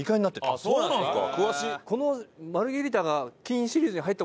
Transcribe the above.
あっそうなんですか。